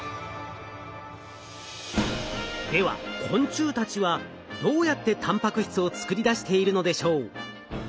昆虫たちはどうやってたんぱく質を作り出しているのでしょう。